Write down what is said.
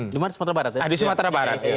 di sumatera barat ya di sumatera barat